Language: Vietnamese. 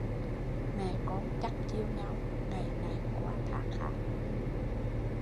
Mẹ con chắt chiu nhau ngày này qua tháng khác